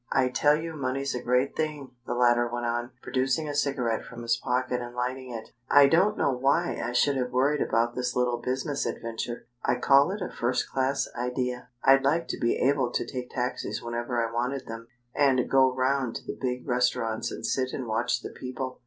"I tell you money's a great thing," the latter went on, producing a cigarette from his pocket and lighting it. "I don't know why I should have worried about this little business adventure. I call it a first class idea. I'd like to be able to take taxies whenever I wanted them, and go round to the big restaurants and sit and watch the people.